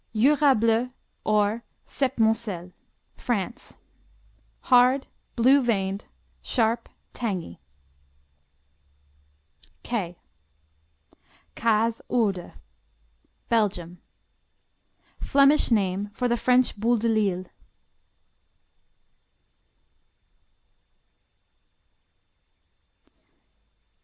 Jura Bleu, or Septmoncel France Hard: blue veined; sharp; tangy. K Kaas, Oude Belgium Flemish name for the French Boule de Lille.